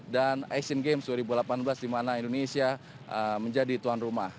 dan asian games dua ribu delapan belas dimana indonesia menjadi tuan rumah